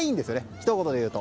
ひと言でいうと。